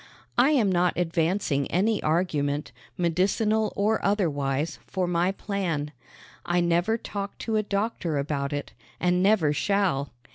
I am not advancing any argument, medicinal or otherwise, for my plan. I never talked to a doctor about it, and never shall.